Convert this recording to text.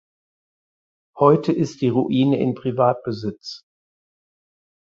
Heute ist die Ruine in Privatbesitz.